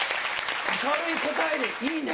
明るい答えでいいね！